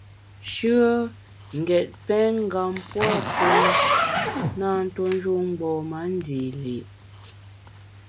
Shùe n’ gét pèn ngam pua puo ne, na ntuo njun mgbom-a ndi li’.